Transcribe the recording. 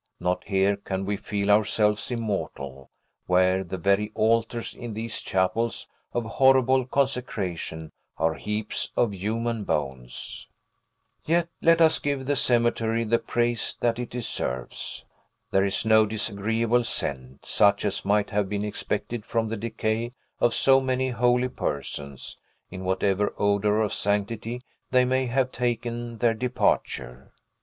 Not here can we feel ourselves immortal, where the very altars in these chapels of horrible consecration are heaps of human bones. Yet let us give the cemetery the praise that it deserves. There is no disagreeable scent, such as might have been expected from the decay of so many holy persons, in whatever odor of sanctity they may have taken their departure.